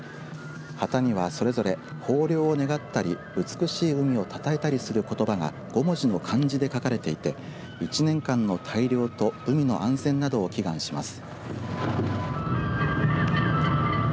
旗にはそれぞれ豊漁を願ったり美しい海をたたえたりすることばが５文字の漢字で書かれていて１年間の大漁と海の安全などを祈願します。